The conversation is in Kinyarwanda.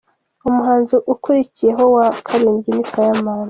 Umuhanzi ukurikiyeho wa karindwi ni Fireman.